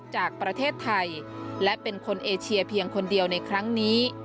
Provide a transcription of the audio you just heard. จากประเทศไทยและเป็นคนเอเชียเพียงคนเดียวในครั้งนี้